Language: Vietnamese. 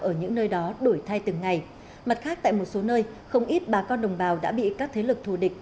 ở những nơi đó đổi thay từng ngày mặt khác tại một số nơi không ít bà con đồng bào đã bị các thế lực thù địch